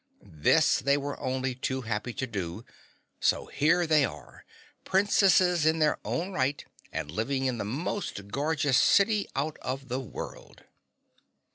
This they were only too happy to do, so here they are, Princesses in their own right and living in the most gorgeous City out of the world.